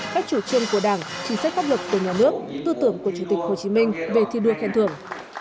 các chủ trương của đảng chính sách pháp luật của nhà nước tư tưởng của chủ tịch hồ chí minh về thi đua khen thưởng